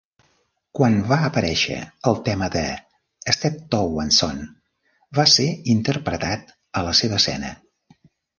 Quan va aparèixer, el tema de "Steptoe and Son" va ser interpretat a la seva escena.